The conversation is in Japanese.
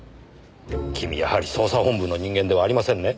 君やはり捜査本部の人間ではありませんね？